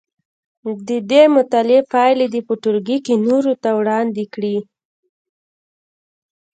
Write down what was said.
د دې مطالعې پایلې دې په ټولګي کې نورو ته وړاندې کړي.